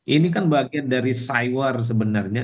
ini kan bagian dari cywar sebenarnya